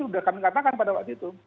sudah kami katakan pada waktu itu